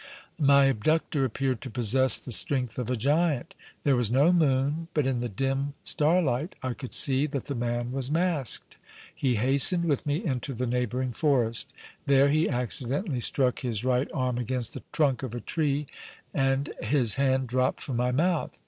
My abductor appeared to possess the strength of a giant. There was no moon, but in the dim starlight I could see that the man was masked. He hastened with me into the neighboring forest. There he accidentally struck his right arm against the trunk of a tree and his hand dropped from my mouth.